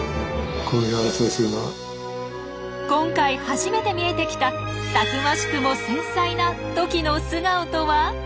今回初めて見えてきたたくましくも繊細なトキの素顔とは？